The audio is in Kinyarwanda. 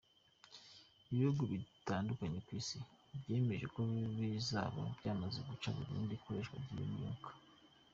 Ibihugu bitandukanye ku Isi byemeje ko bizaba byamaze guca burundu ikoreshwa ry’iyo myuka.